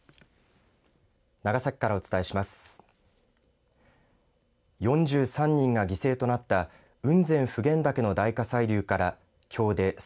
長崎からお伝えします。